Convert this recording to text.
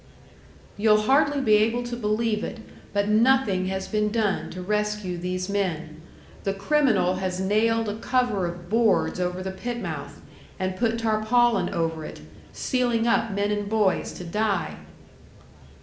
"You'll hardly be able to believe it; but nothing has been done to rescue these men. The criminal has nailed a cover of boards over the pit mouth, and put tarpaulin over it sealing up men and boys to die!"